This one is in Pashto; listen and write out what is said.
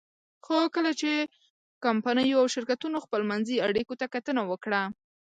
خو کله چې کمپنیو او شرکتونو خپلمنځي اړیکو ته کتنه وکړه.